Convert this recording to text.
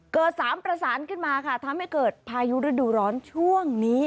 เกิดสามประสานขึ้นมาค่ะทำให้เกิดพายุฤดูร้อนช่วงนี้